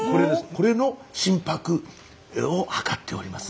これの心拍を測っております。